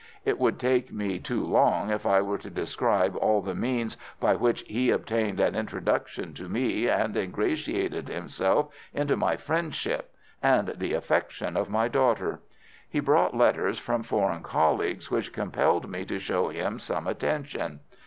It would take me too long if I were to describe all the means by which he obtained an introduction to me and ingratiated himself into my friendship and the affection of my daughter. He brought letters from foreign colleagues which compelled me to show him some attention.